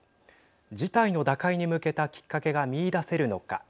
事態の打開に向けたきっかけが見いだせるのか。